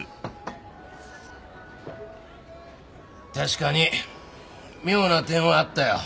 確かに妙な点はあったよ。